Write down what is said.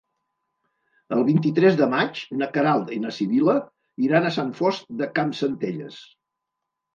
El vint-i-tres de maig na Queralt i na Sibil·la iran a Sant Fost de Campsentelles.